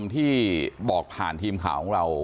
ที่บอกผ่านทีมข่าวของเรา